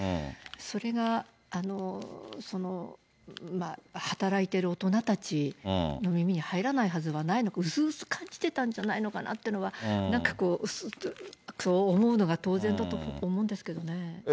それが働いてる大人たちの耳に入らないはずはない、薄々感じてたんじゃないのかなというのは、なんかそういう、思うのが当然だと思うんですけどね。